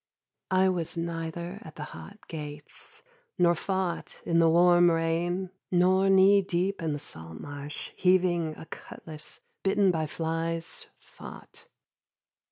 I was neither at the hot gates Nor fought in the warm rain Nor knee deep in the salt marsh, heaving a cutlass, Bitten by flies, fought.